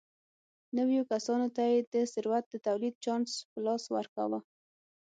نویو کسانو ته یې د ثروت د تولید چانس په لاس ورکاوه.